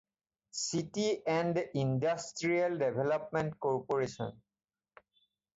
City and industrial development corporation.